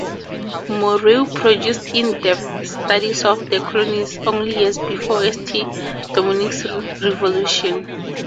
Moreau produced in-depth studies of the colonies only years before St-Domingue's revolution.